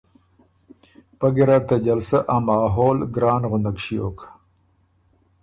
پۀ ګیرډ ته جلسه ا ماحول ګران غندک ݭیوک